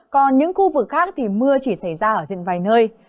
còn những khu vực khác thì mưa chỉ xảy ra ở diện vài nơi